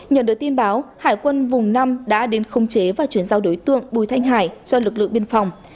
nhận được tin báo hải quân vùng năm đã đến khống chế và chuyển giao đối tượng bùi thanh hải cho lực lượng biên phòng